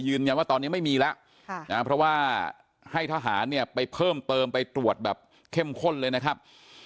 ยืนยันว่าตอนนี้ไม่มีแล้วเพราะว่าให้ทหารเนี่ยไปเพิ่มเติมไปตรวจแบบเข้มข้นเลยนะครับ